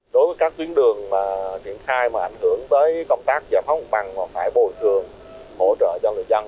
đối với các tuyến đường mà triển khai mà ảnh hưởng tới công tác giải phóng mặt bằng và phải bồi thường hỗ trợ cho người dân